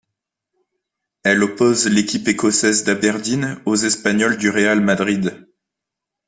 Elle oppose l'équipe écossaise d'Aberdeen aux Espagnols du Real Madrid.